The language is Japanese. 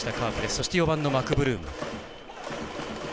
そして、４番のマクブルーム。